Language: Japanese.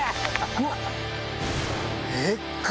うわっ！